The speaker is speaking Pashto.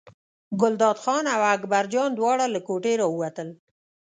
ګلداد خان او اکبرجان دواړه له کوټې راووتل.